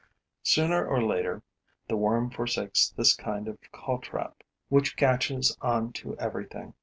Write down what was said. Sooner or later, the worm forsakes this kind of caltrop which catches on to everything.